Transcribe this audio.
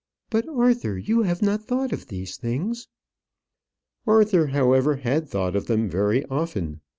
But, Arthur, you have not thought of these things." Arthur, however, had thought of them very often.